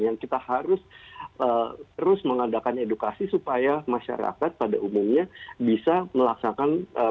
yang kita harus terus mengadakan edukasi supaya masyarakat pada umumnya bisa melaksanakan